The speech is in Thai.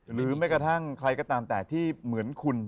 แม้กระทั่งใครก็ตามแต่ที่เหมือนคุณ